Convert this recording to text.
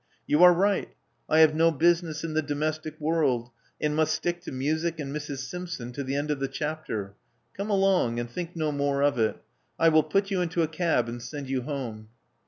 You are right: I have no business in the domestic world, and must stick to music and Mrs. Simpson to the end of the chapter. Come along; and think no more of it. I will put you into a cab and send you home."